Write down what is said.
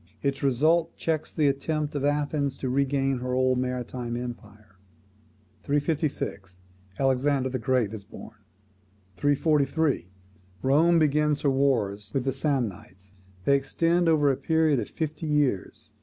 Its result checks the attempt of Athens to regain her old maritime empire. 356. Alexander the Great is born. 343. Rome begins her wars with the Samnites: they extend over a period of fifty years.